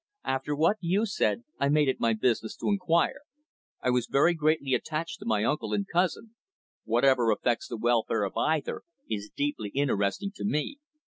"After what you said, I made it my business to inquire. I am very greatly attached to my uncle and cousin. Whatever affects the welfare of either is deeply interesting to me."